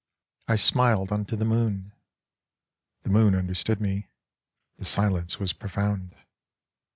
I smiled unto the moon ; The moon understood me : the silence was profound.